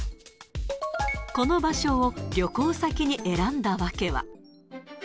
この場所を旅行先に選んだ訳は。